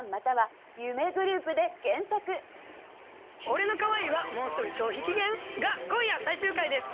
『俺の可愛いはもうすぐ消費期限！？』が今夜最終回です！